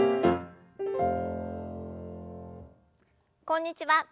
こんにちは